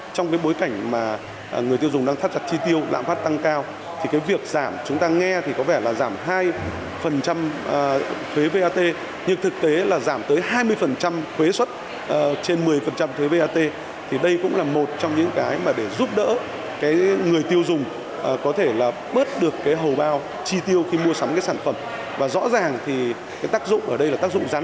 trong bối cảnh người tiêu dùng đang thắt chặt chi tiêu lãng phát tăng cao việc giảm chúng ta nghe có vẻ là giảm hai